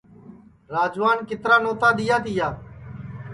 راجوان کِترا نوتا دؔیا تیا